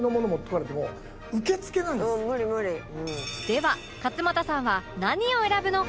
では勝俣さんは何を選ぶのか？